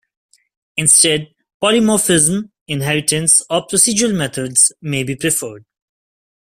Instead polymorphism, inheritance, or procedural methods may be preferred.